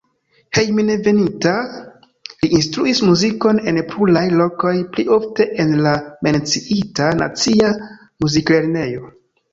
Hejmenveninta li instruis muzikon en pluraj lokoj, pli ofte en la menciita nacia muziklernejo.